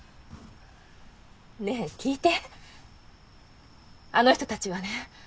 ねぇ聞いてあの人達はね